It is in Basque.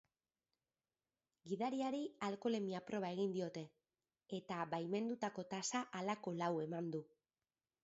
Gidariari alkoholemia proba egin diote, eta baimendutako tasa halako lau eman du.